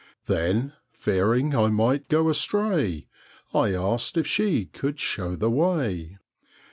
Then, fearing I might go astray, I asked if she could show the way.